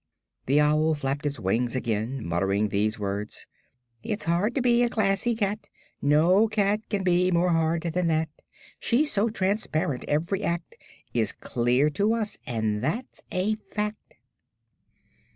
The owl flapped its wings again, muttering these words: "It's hard to be a glassy cat No cat can be more hard than that; She's so transparent, every act Is clear to us, and that's a fact."